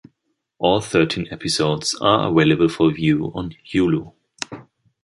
All thirteen episodes are available for view on Hulu.